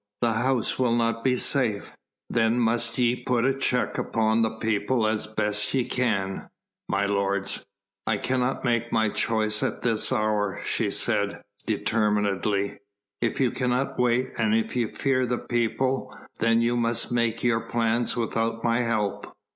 Thy house will not be safe." "Then must ye put a check upon the people as best ye can, my lords; I cannot make my choice at this hour," she said determinedly, "if ye cannot wait and if ye fear the people, then must you make your plans without my help."